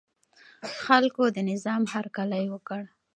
خلکو د نظام هرکلی وکړ.